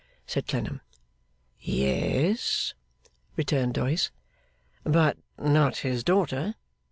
said Clennam. 'Yes,' returned Doyce. 'But not his daughter?